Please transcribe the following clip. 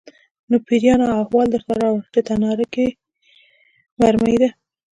_نو پېريانو احوال درته راووړ چې په تناره کې مرمۍ ده؟